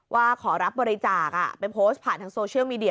ว่าขอรับบริจาคไปโพสต์ผ่านทางโซเชียลมีเดีย